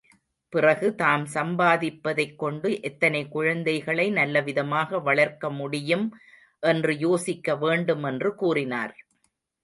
பிறகு தாம் சம்பாதிப்பதைக்கொண்டு எத்தனை குழந்தைகளை நல்லவிதமாக வளர்க்க முடியும் என்று யோசிக்க வேண்டும் என்று கூறினார்.